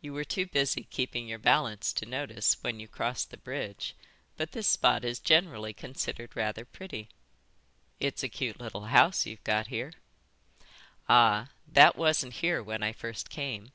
"You were too busy keeping your balance to notice, when you crossed the bridge, but this spot is generally considered rather pretty." "It's a cute little house you've got here." "Ah, that wasn't here when I first came.